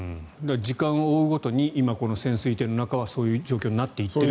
時間を追うごとに今、この潜水艇の中はそういう状況になっていっていると。